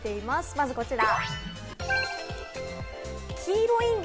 まずこちら。